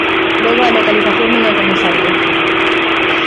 Logo a localización dunha comisaria.